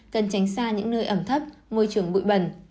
cần tránh xa những nơi ẩm thấp môi trường bụi bẩn